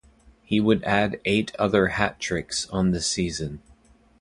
He would add eight other hat tricks on the season.